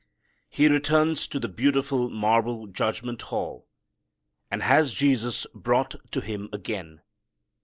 He returns to the beautiful marble judgment hall, and has Jesus brought to him again.